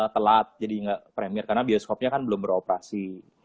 telat jadi nggak premier karena bioskopnya kan belum beroperasi